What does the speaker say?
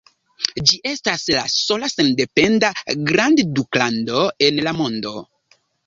Ĝi estas la sola sendependa grandduklando en la mondo.